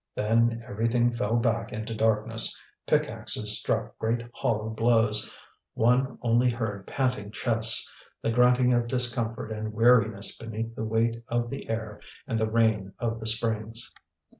Then everything fell back into darkness, pickaxes struck great hollow blows; one only heard panting chests, the grunting of discomfort and weariness beneath the weight of the air and the rain of the springs.